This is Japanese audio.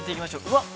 うわっ。